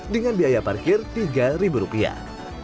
dengan biaya parkir tiga rupiah